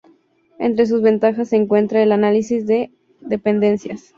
Entre sus ventajas se encuentra el análisis de dependencias.